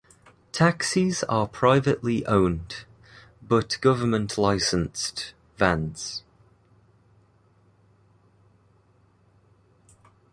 Taxis are privately owned, but government licensed, vans.